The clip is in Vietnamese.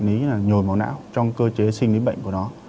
ý là nhồi máu não trong cơ chế sinh lý bệnh của nó